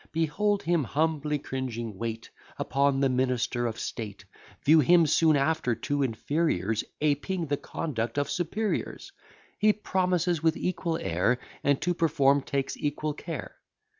Behold him, humbly cringing, wait Upon the minister of state; View him soon after to inferiors Aping the conduct of superiors; He promises with equal air, And to perform takes equal care.